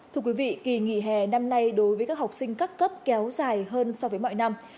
thưa quý vị kỳ nghỉ hè năm nay đối với các học sinh các cấp kéo dài hơn so với mọi năm